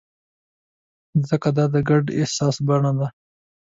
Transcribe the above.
ځکه دا د ګډ احساس بڼه ده.